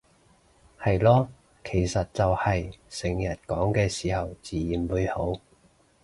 係囉，其實就係成日講嘅時候自然會好